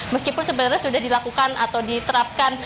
meskipun sebenarnya sudah dilakukan atau diterapkan